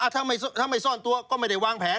ถ้าไม่ซ่อนตัวก็ไม่ได้วางแผน